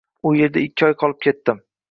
U erda ikki oy qolib ketdim